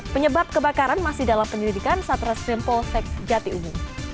penyebab kebakaran masih dalam penyelidikan saat resmimpol sek jatiuhung